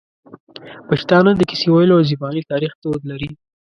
پښتانه د کیسې ویلو او زباني تاریخ دود لري.